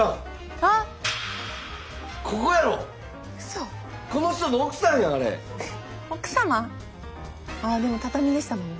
ああでも畳でしたもんね。